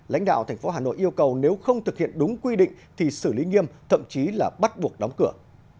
lãnh đạo thành phố hà nội yêu cầu nếu không thực hiện đúng quy định thì xử lý nghiêm thậm chí là bắt buộc đóng cửa